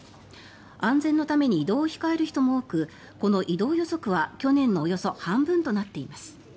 安全のために移動を控える人も多くこの移動予測は去年のおよそ半分となっています。